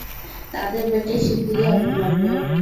তাদের পেটে শিগগিরই আগুন লাগবে।